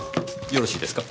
よろしいですか？